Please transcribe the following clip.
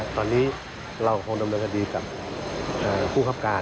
ตอนนี้เราคงดำเนินคดีกับผู้คับการ